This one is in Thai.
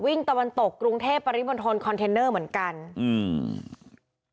ตะวันตกกรุงเทพปริมณฑลคอนเทนเนอร์เหมือนกันอืม